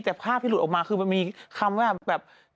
แต่ภาพที่หลุดออกมาคือมันมีคำว่าแบบ